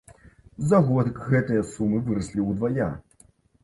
За год гэтыя сумы выраслі ўдвая!